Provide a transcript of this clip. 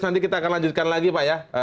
nanti kita akan lanjutkan lagi pak ya